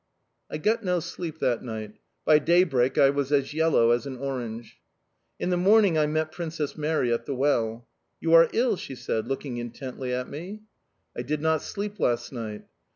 I got no sleep that night. By daybreak I was as yellow as an orange. In the morning I met Princess Mary at the well. "You are ill?" she said, looking intently at me. "I did not sleep last night."